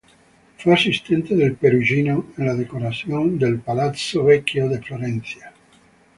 Fue asistente del Perugino en la decoración del Palazzo Vecchio de Florencia.